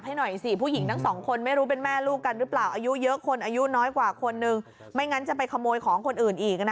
บันนี้ให้มันเฮ็ดใจซ้ำนี่บันนี้ก็ให้ต้องไปพ่อผู้อื่นอีก